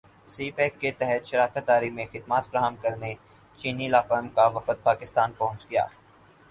سی pack کے تحت شراکت داری میں خدمات فراہم کرنے چینی لا فرم کا وفد پاکستان پہنچ گیا